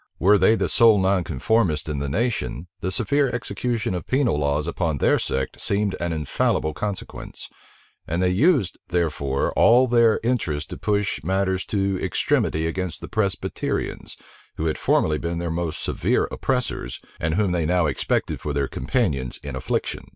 Were they the sole nonconformists in the nation, the severe execution of penal laws upon their sect seemed an infallible consequence; and they used, therefore, all their interest to push matters to extremity against the Presbyterians, who had formerly been their most severe oppressors, and whom they now expected for their companions in affliction.